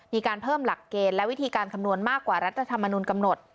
มีการเพิ่มหลักเกณฑ์และวิธีการคำนวณมากกว่ารัฐธรรมนุนกำหนด